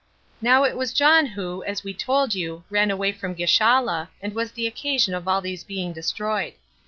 Now it was John who, as we told you, ran away from Gischala, and was the occasion of all these being destroyed.